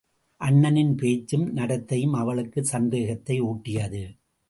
அண்ணனின் பேச்சும் நடத்தையும் அவளுக்கு சந்தேகத்தை ஊட்டியது.